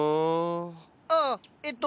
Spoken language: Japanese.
ああえっと